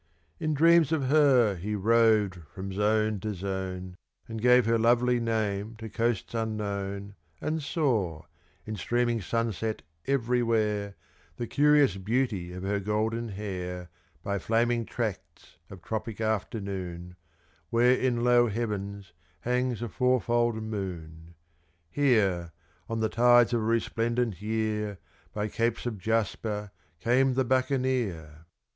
In dreams of her he roved from zone to zone, And gave her lovely name to coasts unknown*6* And saw, in streaming sunset everywhere, The curious beauty of her golden hair, By flaming tracts of tropic afternoon, Where in low heavens hangs a fourfold moon. Here, on the tides of a resplendent year, By capes of jasper, came the buccaneer.